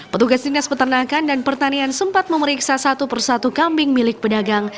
petugas dinas peternakan dan pertanian sempat memeriksa satu persatu kambing milik pedagang